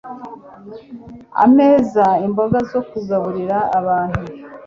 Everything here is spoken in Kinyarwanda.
Ameza imboga zo kugaburira abantu